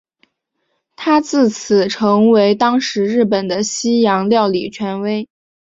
他自此成为当时日本的西洋料理权威。